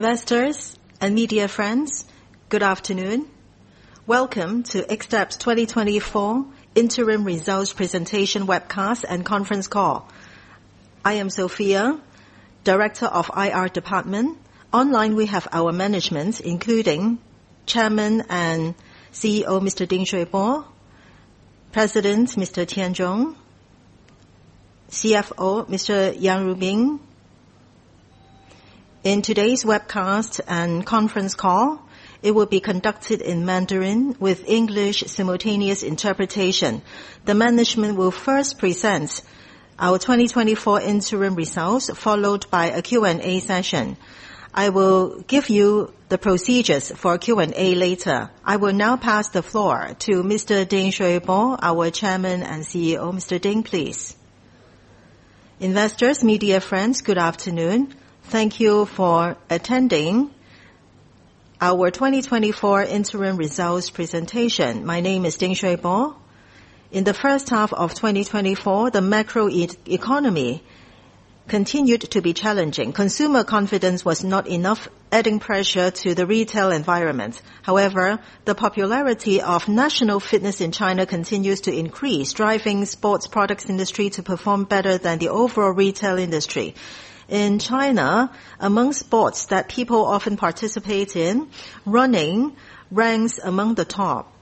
Investors and media friends, good afternoon. Welcome to Xtep's 2024 Interim Results Presentation webcast and conference call. I am Sophia, Director of IR Department. Online, we have our management, including Chairman and CEO, Mr. Ding Shui Po; President, Mr. Tian Zhong; CFO, Mr. Yang Lubin. In today's webcast and conference call, it will be conducted in Mandarin with English simultaneous interpretation. The management will first present our 2024 interim results, followed by a Q&A session. I will give you the procedures for Q&A later. I will now pass the floor to Mr. Ding Shui Po, our Chairman and CEO. Mr. Ding, please. Investors, media friends, good afternoon. Thank you for attending our 2024 Interim Results Presentation. My name is Ding Shui Po. In the first half of 2024, the macro economy continued to be challenging. Consumer confidence was not enough, adding pressure to the retail environment. However, the popularity of national fitness in China continues to increase, driving sports products industry to perform better than the overall retail industry. In China, among sports that people often participate in, running ranks among the top,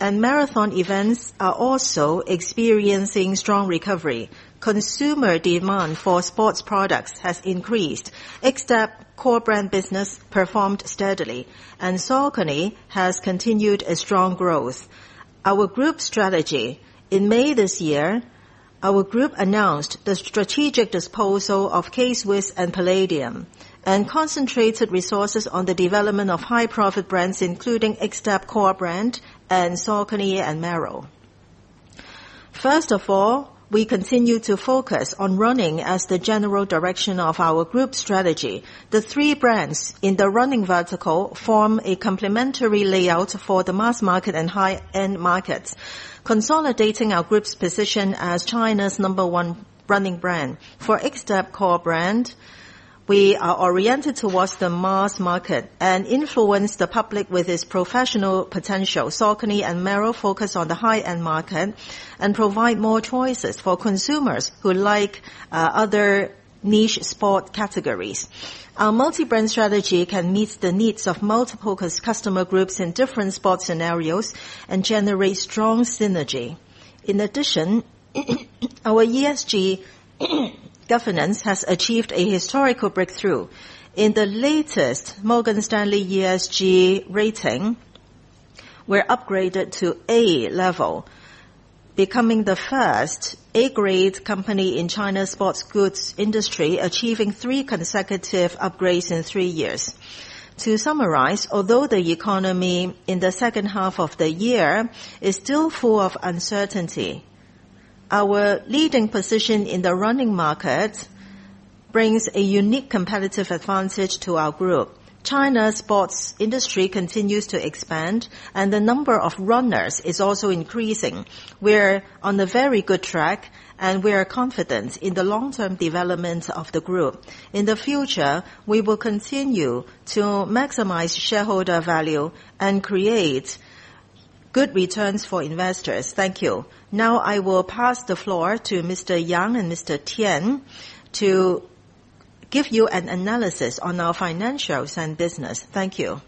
and marathon events are also experiencing strong recovery. Consumer demand for sports products has increased. Xtep core brand business performed steadily, and Saucony has continued a strong growth. Our group strategy: In May this year, our group announced the strategic disposal of K-Swiss and Palladium, and concentrated resources on the development of high-profit brands, including Xtep core brand and Saucony and Merrell. First of all, we continue to focus on running as the general direction of our group strategy. The three brands in the running vertical form a complementary layout for the mass market and high-end markets, consolidating our group's position as China's number one running brand. For Xtep core brand, we are oriented towards the mass market and influence the public with its professional potential. Saucony and Merrell focus on the high-end market and provide more choices for consumers who like other niche sport categories. Our multi-brand strategy can meet the needs of multiple customer groups in different sport scenarios and generate strong synergy. In addition, our ESG governance has achieved a historical breakthrough. In the latest Morgan Stanley ESG rating, we're upgraded to A level, becoming the first A-grade company in China's sports goods industry, achieving three consecutive upgrades in three years. To summarize, although the economy in the second half of the year is still full of uncertainty, our leading position in the running market brings a unique competitive advantage to our group. China's sports industry continues to expand, and the number of runners is also increasing. We're on a very good track, and we are confident in the long-term development of the group. In the future, we will continue to maximize shareholder value and create good returns for investors. Thank you. Now, I will pass the floor to Mr. Yang and Mr. Tian to give you an analysis on our financials and business. Thank you.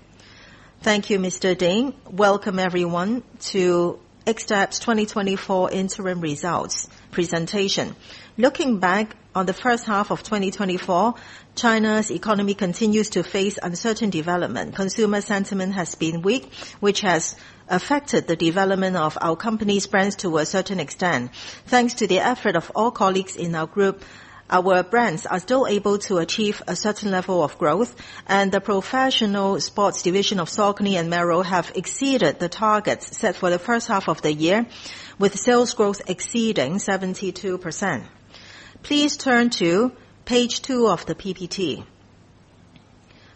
Thank you, Mr. Ding. Welcome, everyone, to Xtep's 2024 Interim Results Presentation. Looking back on the first half of 2024, China's economy continues to face uncertain development. Consumer sentiment has been weak, which has affected the development of our company's brands to a certain extent. Thanks to the effort of all colleagues in our group, our brands are still able to achieve a certain level of growth, and the professional sports division of Saucony and Merrell have exceeded the targets set for the first half of the year, with sales growth exceeding 72%. Please turn to page two of the PPT.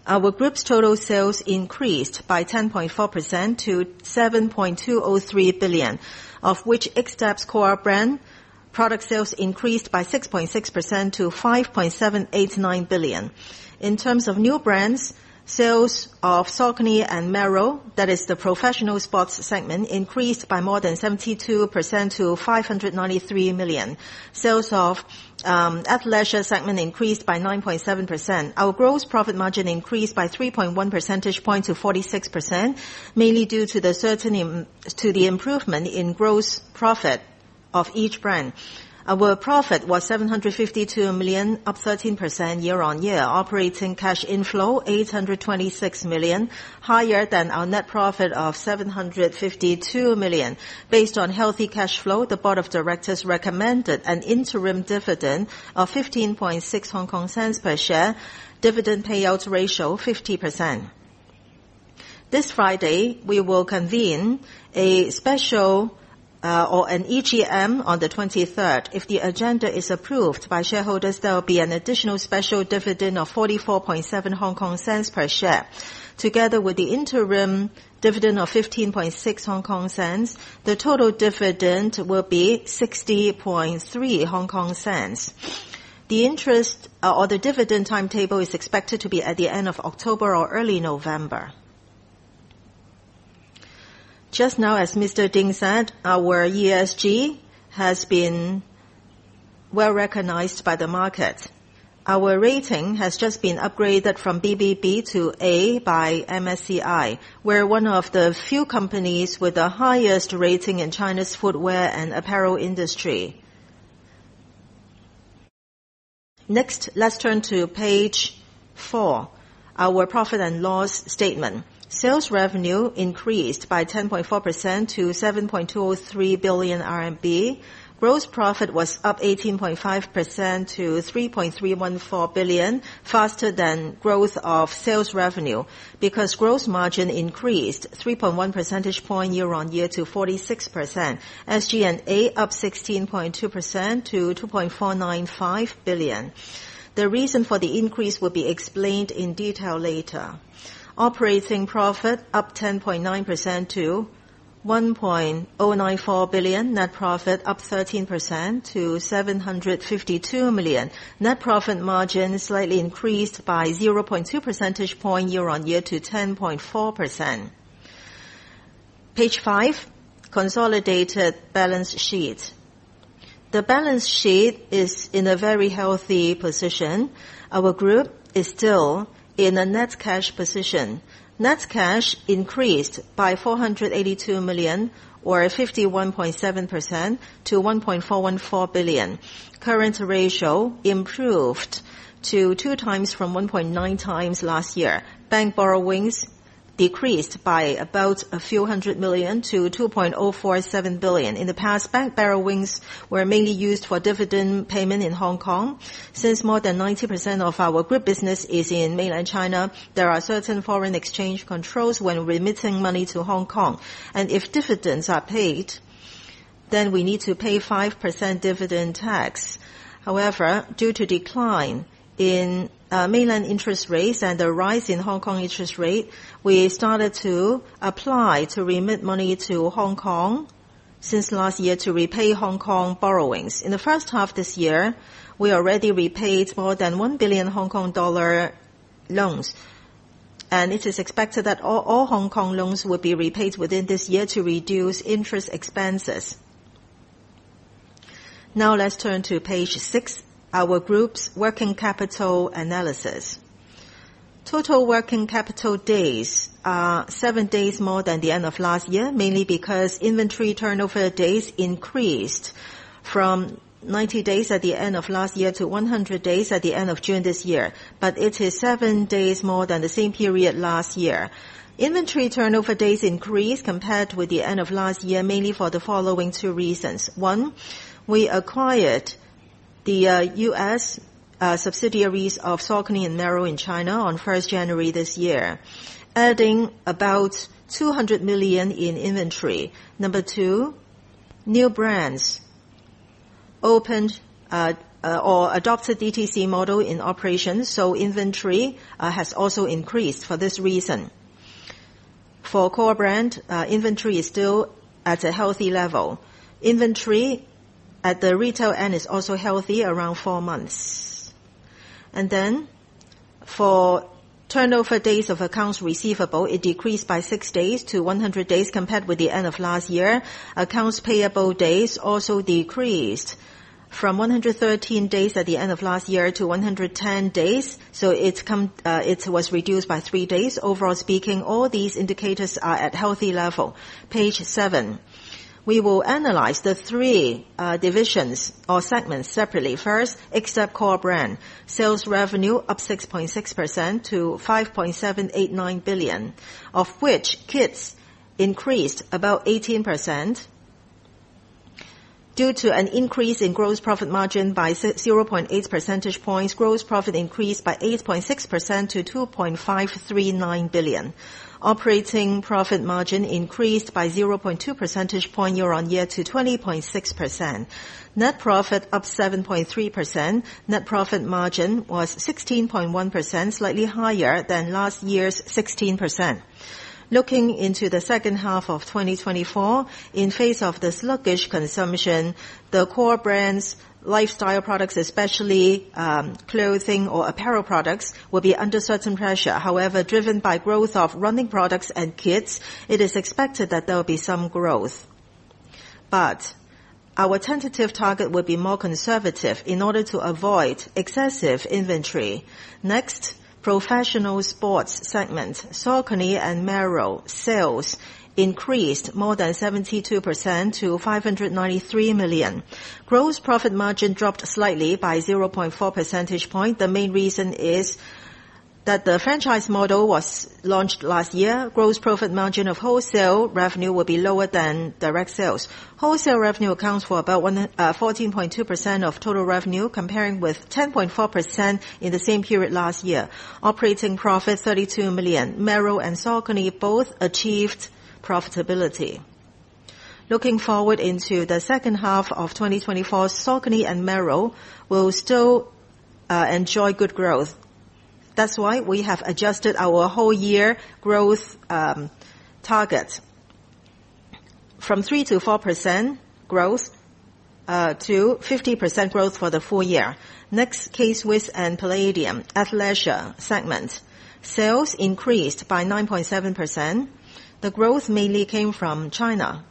Our group's total sales increased by 10.4% to 7.203 billion, of which Xtep's core brand product sales increased by 6.6% to 5.789 billion. In terms of new brands, sales of Saucony and Merrell, that is the professional sports segment, increased by more than 72% to 593 million. Sales of Athleisure segment increased by 9.7%. Our gross profit margin increased by 3.1 percentage points to 46%, mainly due to the improvement in gross profit of each brand. Our profit was 752 million, up 13% year-on-year. Operating cash inflow, 826 million, higher than our net profit of 752 million. Based on healthy cash flow, the board of directors recommended an interim dividend of 0.156 per share. Dividend payout ratio, 50%. This Friday, we will convene a special or an EGM on the 23rd. If the agenda is approved by shareholders, there will be an additional special dividend of 0.447 per share. Together with the interim dividend of 0.156, the total dividend will be 0.603. The interest or the dividend timetable is expected to be at the end of October or early November. Just now, as Mr. Ding said, our ESG has been well-recognized by the market. Our rating has just been upgraded from BBB to A by MSCI. We're one of the few companies with the highest rating in China's footwear and apparel industry. Next, let's turn to page four, our profit and loss statement. Sales revenue increased by 10.4% to 7.203 billion RMB. Gross profit was up 18.5% to 3.314 billion, faster than growth of sales revenue, because gross margin increased 3.1 percentage points year-on-year to 46%. SG&A up 16.2% to 2.495 billion. The reason for the increase will be explained in detail later. Operating profit up 10.9% to 1.094 billion. Net profit up 13% to 752 million. Net profit margin slightly increased by 0.2 percentage points year-on-year to 10.4%. Page five, consolidated balance sheet. The balance sheet is in a very healthy position. Our group is still in a net cash position. Net cash increased by 482 million or 51.7% to 1.414 billion. Current ratio improved to 2 times from 1.9 times last year. Bank borrowings decreased by about a few hundred million to 2.047 billion. In the past, bank borrowings were mainly used for dividend payment in Hong Kong. Since more than 90% of our group business is in mainland China, there are certain foreign exchange controls when remitting money to Hong Kong, and if dividends are paid, then we need to pay 5% dividend tax. However, due to decline in mainland interest rates and the rise in Hong Kong interest rate, we started to apply to remit money to Hong Kong since last year to repay Hong Kong borrowings. In the first half this year, we already repaid more than 1 billion Hong Kong dollar loans, and it is expected that all Hong Kong loans will be repaid within this year to reduce interest expenses. Now, let's turn to page six, our group's working capital analysis. Total working capital days are seven days more than the end of last year, mainly because inventory turnover days increased from 90 days at the end of last year to 100 days at the end of June this year, but it is seven days more than the same period last year. Inventory turnover days increased compared with the end of last year, mainly for the following two reasons: One, we acquired the U.S. subsidiaries of Saucony and Merrell in China on 1st January this year, adding about 200 million in inventory. Number two, new brands opened or adopted DTC model in operation, so inventory has also increased for this reason. For core brand, inventory is still at a healthy level. Inventory at the retail end is also healthy, around four months. Then for turnover days of accounts receivable, it decreased by six days to 100 days compared with the end of last year. Accounts payable days also decreased from 113 days at the end of last year to 110 days, so it's it was reduced by three days. Overall speaking, all these indicators are at healthy level. Page seven. We will analyze the three divisions or segments separately. First, Xtep core brand. Sales revenue up 6.6% to 5.789 billion, of which kids increased about 18%. Due to an increase in gross profit margin by 0.8 percentage points, gross profit increased by 8.6% to 2.539 billion. Operating profit margin increased by 0.2 percentage point year-on-year to 20.6%. Net profit up 7.3%. Net profit margin was 16.1%, slightly higher than last year's 16%. Looking into the second half of 2024, in face of this sluggish consumption, the core brand's lifestyle products, especially, clothing or apparel products, will be under certain pressure. However, driven by growth of running products and kids, it is expected that there will be some growth. But our tentative target will be more conservative in order to avoid excessive inventory. Next, professional sports segment. Saucony and Merrell sales increased more than 72% to 593 million. Gross profit margin dropped slightly by 0.4 percentage point. The main reason is that the franchise model was launched last year. Gross profit margin of wholesale revenue will be lower than direct sales. Wholesale revenue accounts for about 14.2% of total revenue, comparing with 10.4% in the same period last year. Operating profit, 32 million. Merrell and Saucony both achieved profitability. Looking forward into the second half of 2024, Saucony and Merrell will still enjoy good growth. That's why we have adjusted our whole year growth target from 3% to 4% growth to 50% growth for the full year. Next, K-Swiss and Palladium Athleisure segment. Sales increased by 9.7%. The growth mainly came from China.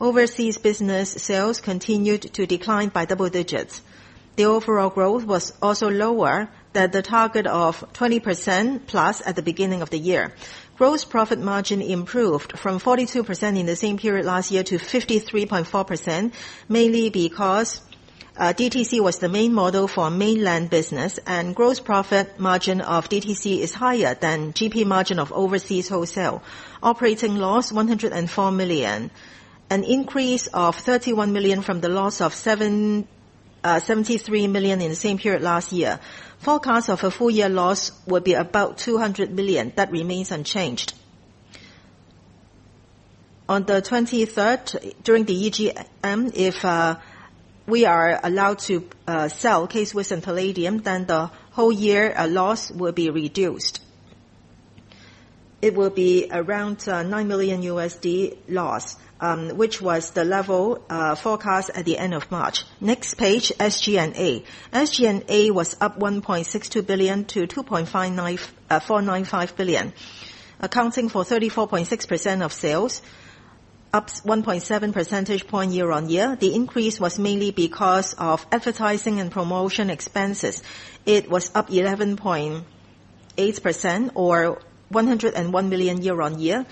Overseas business sales continued to decline by double digits. The overall growth was also lower than the target of 20% plus at the beginning of the year. Gross profit margin improved from 42% in the same period last year to 53.4%, mainly because DTC was the main model for mainland business, and gross profit margin of DTC is higher than GP margin of overseas wholesale. Operating loss, 104 million, an increase of 31 million from the loss of 73 million in the same period last year. Forecast of a full year loss will be about 200 million. That remains unchanged. On the 23rd, during the EGM, if we are allowed to sell K-Swiss and Palladium, then the whole year loss will be reduced. It will be around $9 million loss, which was the level forecast at the end of March. Next page, SG&A. SG&A was up 1.62 billion to 2.59495 billion, accounting for 34.6% of sales, up 1.7 percentage points year-on-year. The increase was mainly because of advertising and promotion expenses. It was up 11.8% or 101 million year-on-year,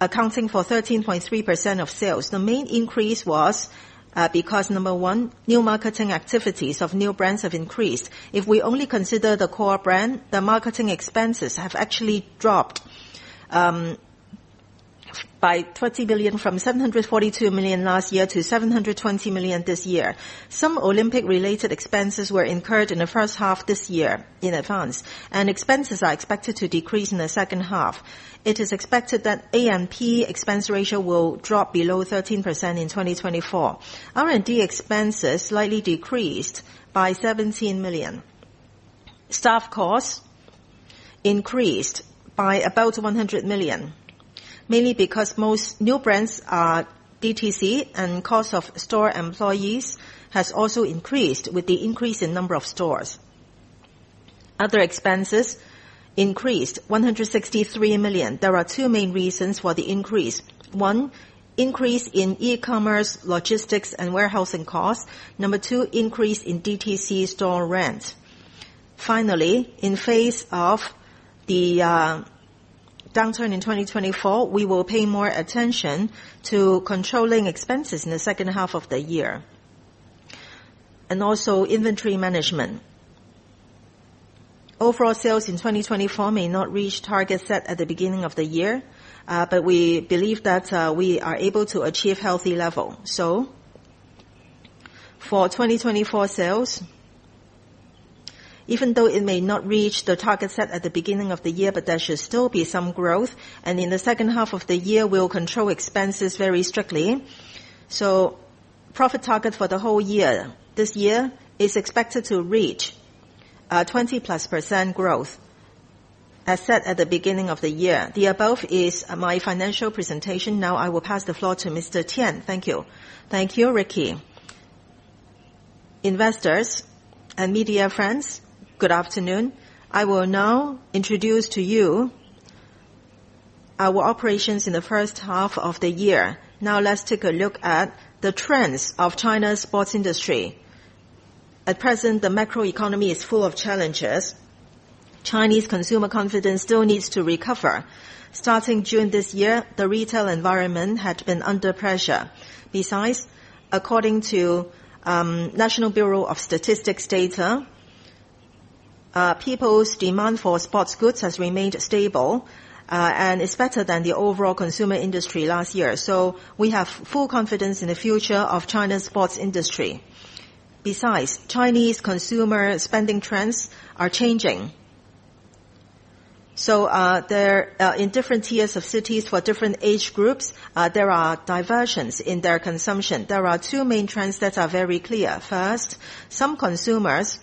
accounting for 13.3% of sales. The main increase was because, number one, new marketing activities of new brands have increased. If we only consider the core brand, the marketing expenses have actually dropped by 30 million, from 742 million last year to 720 million this year. Some Olympic-related expenses were incurred in the first half this year in advance, and expenses are expected to decrease in the second half. It is expected that A&P expense ratio will drop below 13% in 2024. R&D expenses slightly decreased by 17 million. Staff costs increased by about 100 million, mainly because most new brands are DTC, and cost of store employees has also increased with the increase in number of stores. Other expenses increased 163 million. There are two main reasons for the increase: one, increase in e-commerce, logistics, and warehousing costs. Number two, increase in DTC store rent. Finally, in the face of the downturn in 2024, we will pay more attention to controlling expenses in the second half of the year, and also inventory management. Overall sales in 2024 may not reach targets set at the beginning of the year, but we believe that we are able to achieve healthy level. For 2024 sales, even though it may not reach the target set at the beginning of the year, but there should still be some growth, and in the second half of the year, we'll control expenses very strictly. Profit target for the whole year, this year, is expected to reach 20-plus% growth, as set at the beginning of the year. The above is my financial presentation. Now I will pass the floor to Mr. Tian. Thank you. Thank you, Ricky. Investors and media friends, good afternoon. I will now introduce to you our operations in the first half of the year. Now, let's take a look at the trends of China's sports industry. At present, the macroeconomy is full of challenges. Chinese consumer confidence still needs to recover. Starting June this year, the retail environment had been under pressure. Besides, according to National Bureau of Statistics data, people's demand for sports goods has remained stable, and it's better than the overall consumer industry last year. So we have full confidence in the future of China's sports industry. Besides, Chinese consumer spending trends are changing. So, there in different tiers of cities for different age groups, there are diversions in their consumption. There are two main trends that are very clear. First, some consumers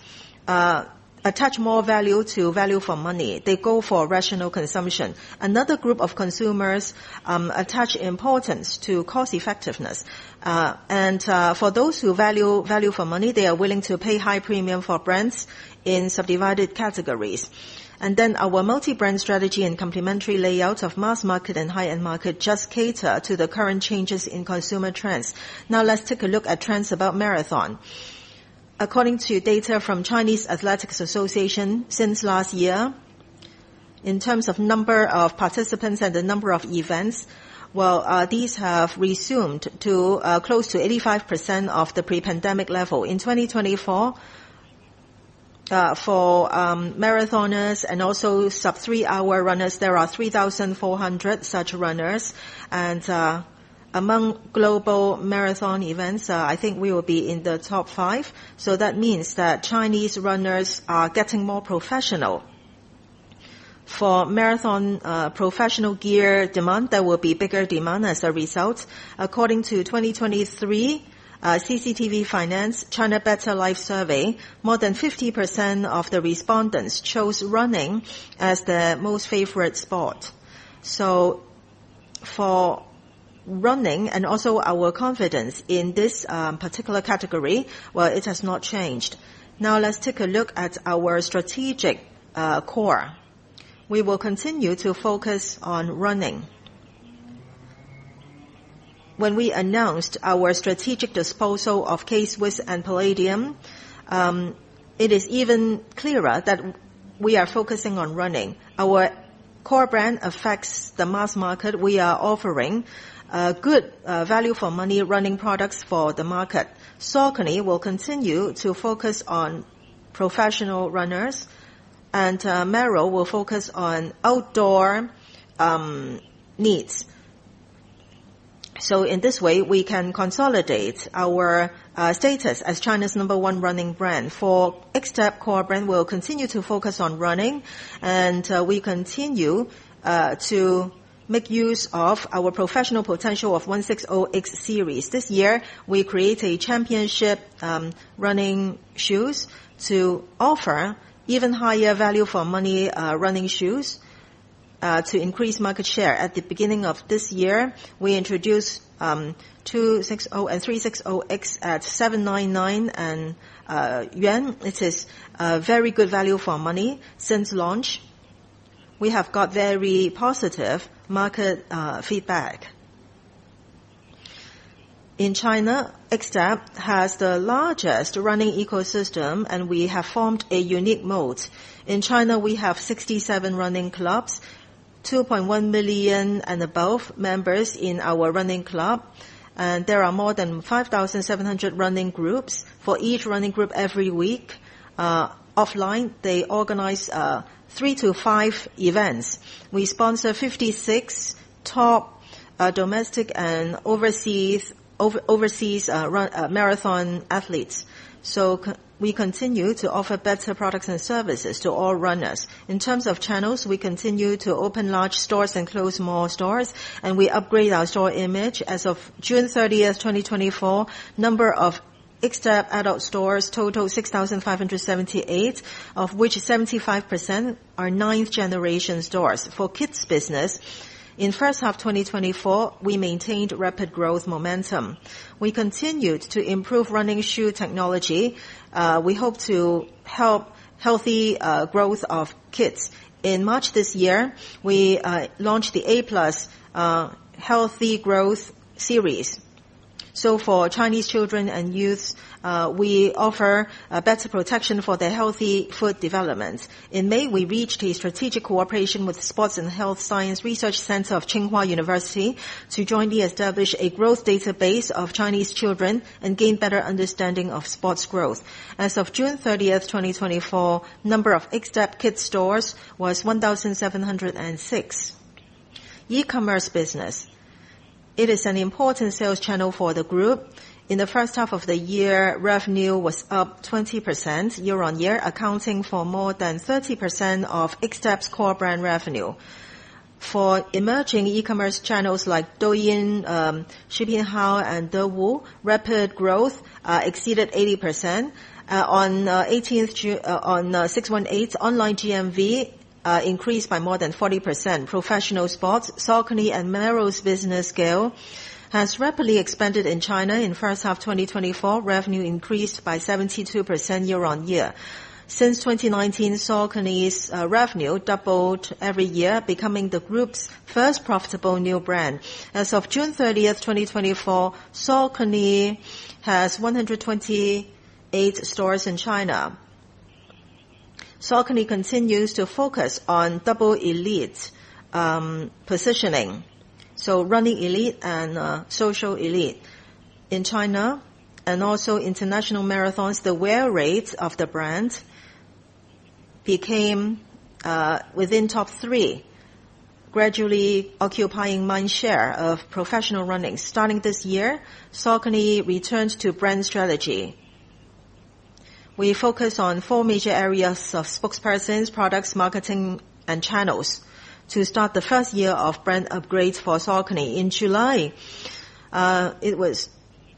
attach more value to value for money. They go for rational consumption. Another group of consumers attach importance to cost effectiveness. For those who value value for money, they are willing to pay high premium for brands in subdivided categories. And then our multi-brand strategy and complementary layout of mass market and high-end market just cater to the current changes in consumer trends. Now, let's take a look at trends about marathon. According to data from Chinese Athletics Association, since last year, in terms of number of participants and the number of events, well, these have resumed to close to 85% of the pre-pandemic level. In 2024, for marathoners and also sub-three-hour runners, there are 3,400 such runners. And among global marathon events, I think we will be in the top five, so that means that Chinese runners are getting more professional. For marathon, professional gear demand, there will be bigger demand as a result. According to 2023, CCTV Finance China Better Life Survey, more than 50% of the respondents chose running as their most favorite sport. For running and also our confidence in this particular category, well, it has not changed. Now let's take a look at our strategic core. We will continue to focus on running. When we announced our strategic disposal of K-Swiss and Palladium, it is even clearer that we are focusing on running. Our core brand affects the mass market. We are offering good value for money running products for the market. Saucony will continue to focus on professional runners, and Merrell will focus on outdoor needs. So in this way, we can consolidate our status as China's number one running brand. For Xtep core brand will continue to focus on running, and we continue to make use of our professional potential of 160X series. This year, we create a championship running shoes to offer even higher value for money running shoes to increase market share. At the beginning of this year, we introduced 260X and 360X at 799 yuan. It is a very good value for money. Since launch, we have got very positive market feedback. In China, Xtep has the largest running ecosystem, and we have formed a unique mode. In China, we have 67 running clubs, 2.1 million and above members in our running club, and there are more than 5,700 running groups. For each running group every week, offline, they organize three to five events. We sponsor 56 top domestic and overseas marathon athletes. So we continue to offer better products and services to all runners. In terms of channels, we continue to open large stores and close small stores, and we upgrade our store image. As of June 30th, 2024, number of Xtep adult stores total 6,578, of which 75% are ninth generation stores. For kids business, in first half 2024, we maintained rapid growth momentum. We continued to improve running shoe technology. We hope to help healthy growth of kids. In March this year, we launched the A+ Healthy Growth Series, so for Chinese children and youths, we offer a better protection for their healthy foot development. In May, we reached a strategic cooperation with Sports and Health Science Research Center of Tsinghua University to jointly establish a growth database of Chinese children and gain better understanding of sports growth. As of June 30th, 2024, number of Xtep kids stores was 1,706. E-commerce business. It is an important sales channel for the group. In the first half of the year, revenue was up 20% year-on-year, accounting for more than 30% of Xtep's core brand revenue. For emerging e-commerce channels like Douyin, Shipinhao, and Dewu, rapid growth exceeded 80%. On 618, online GMV increased by more than 40%. Professional sports, Saucony and Merrell's business scale has rapidly expanded in China. In first half 2024, revenue increased by 72% year-on-year. Since 2019, Saucony's revenue doubled every year, becoming the group's first profitable new brand. As of June 30th, 2024, Saucony has 128 stores in China. Saucony continues to focus on Double Elite positioning, so running elite and social elite. In China and also international marathons, the wear rate of the brand became within top three, gradually occupying mind share of professional running. Starting this year, Saucony returned to brand strategy. We focus on four major areas of spokespersons, products, marketing, and channels. To start the first year of brand upgrade for Saucony in July,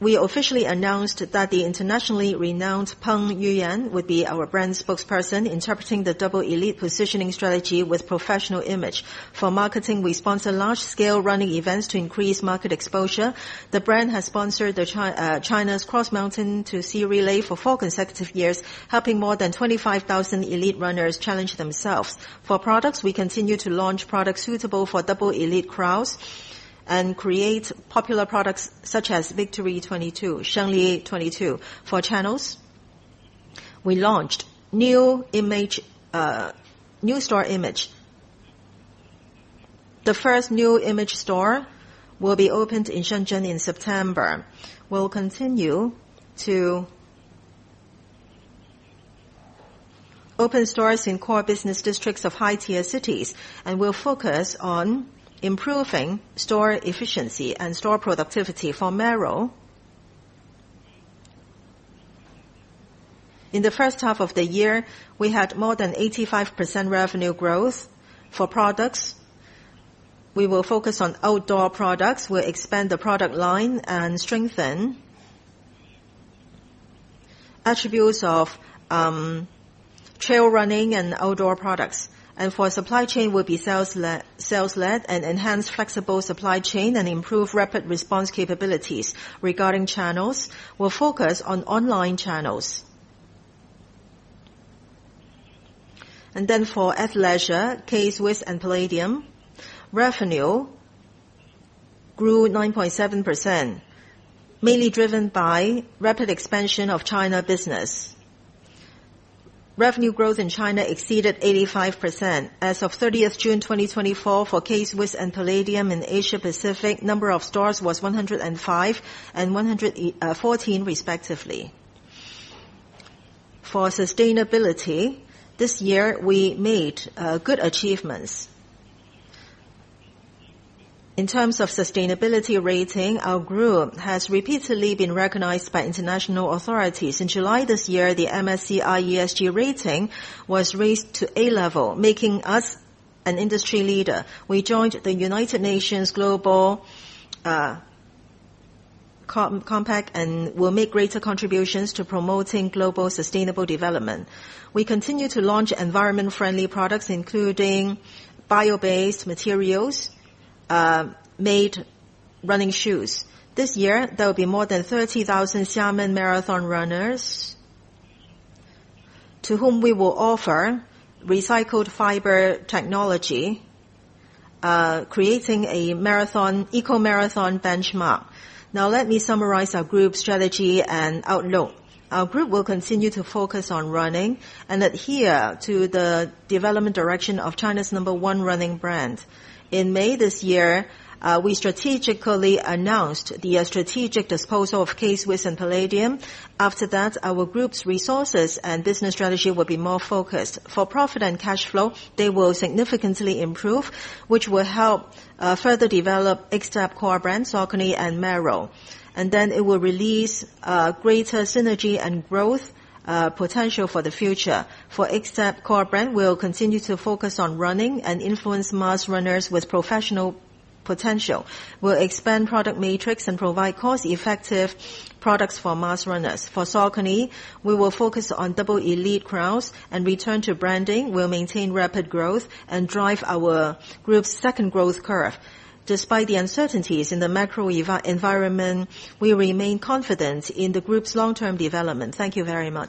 we officially announced that the internationally renowned Peng Yuyan would be our brand spokesperson, interpreting the Double Elite positioning strategy with professional image. For marketing, we sponsor large-scale running events to increase market exposure. The brand has sponsored China's Cross Mountain to Sea Relay for four consecutive years, helping more than 25,000 elite runners challenge themselves. For products, we continue to launch products suitable for Double Elite crowds and create popular products such as Victory 22, Shengli 22. For channels, we launched new image, new store image. The first new image store will be opened in Shenzhen in September. We'll continue to open stores in core business districts of high-tier cities, and we'll focus on improving store efficiency and store productivity. For Merrell, in the first half of the year, we had more than 85% revenue growth. For products, we will focus on outdoor products. We'll expand the product line and strengthen attributes of trail running and outdoor products. And for supply chain will be sales-led and enhanced flexible supply chain and improve rapid response capabilities. Regarding channels, we're focused on online channels. And then for Athleisure, K-Swiss and Palladium, revenue grew 9.7%, mainly driven by rapid expansion of China business. Revenue growth in China exceeded 85%. As of 30 June 2024 for K-Swiss and Palladium in Asia Pacific, number of stores was 105 and 114 respectively. For sustainability, this year we made good achievements. In terms of sustainability rating, our group has repeatedly been recognized by international authorities. In July this year, the MSCI ESG rating was raised to A level, making us an industry leader. We joined the United Nations Global Compact, and we'll make greater contributions to promoting global sustainable development. We continue to launch environment-friendly products, including bio-based materials made running shoes. This year, there will be more than 30,000 Xiamen Marathon runners, to whom we will offer recycled fiber technology creating a marathon eco-marathon benchmark. Now, let me summarize our group's strategy and outlook. Our group will continue to focus on running and adhere to the development direction of China's number one running brand. In May this year, we strategically announced the strategic disposal of K-Swiss and Palladium. After that, our group's resources and business strategy will be more focused. For profit and cash flow, they will significantly improve, which will help further develop Xtep core brand, Saucony and Merrell. And then it will release greater synergy and growth potential for the future. For Xtep core brand, we'll continue to focus on running and influence mass runners with professional potential. We'll expand product matrix and provide cost-effective products for mass runners. For Saucony, we will focus on Double Elite crowds and return to branding. We'll maintain rapid growth and drive our group's second growth curve. Despite the uncertainties in the macro environment, we remain confident in the group's long-term development. Thank you very much.